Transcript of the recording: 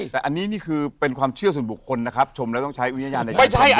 แต่อันนี้นี่คือเป็นความเชื่อส่วนบุคคลนะครับชมแล้วต้องใช้วิญญาณในการใช้นะ